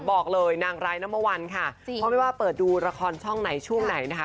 บอกเลยนางร้ายน้ำมะวันค่ะเพราะไม่ว่าเปิดดูละครช่องไหนช่วงไหนนะคะ